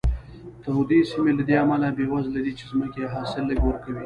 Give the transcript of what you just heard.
تودې سیمې له دې امله بېوزله دي چې ځمکې یې حاصل لږ ورکوي.